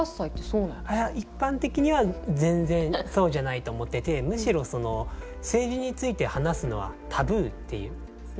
一般的には全然そうじゃないと思っててむしろその政治について話すのはタブーっていう。